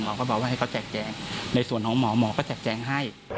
ก็บอกว่าให้เขาแจกแจงในส่วนของหมอหมอก็แจกแจงให้